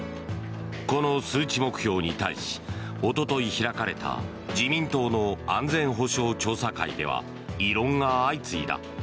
この数値目標に対しおととい開かれた自民党の安全保障調査会では異論が相次いだ。